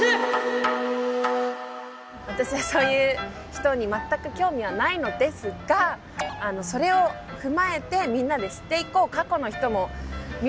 私はそういう人に全く興味はないのですがそれを踏まえてみんなで知っていこう。